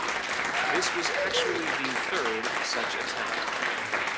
This was actually the third such attempt.